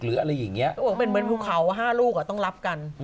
เหมือนบุคาว๕ลูกอ่ะต้องรับกัน